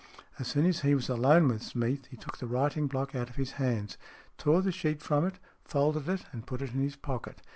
As soon as he was alone with Smeath, he took the writing block out of his hands j tore the sheet from it, folded it, and put it in his pocket.